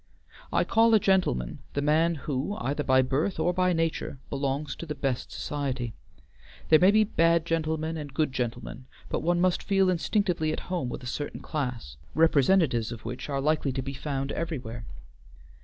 I call a gentleman the man who, either by birth or by nature, belongs to the best society. There may be bad gentlemen and good gentlemen, but one must feel instinctively at home with a certain class, representatives of which are likely to be found everywhere.